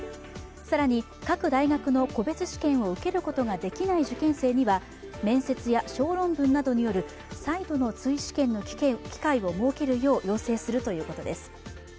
更に各大学の個別試験を受けることができない受験生には面接や小論文などによる最後の追試験の機会を設けるよう要請するということです。